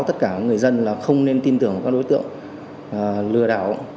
tất cả người dân là không nên tin tưởng các đối tượng lừa đảo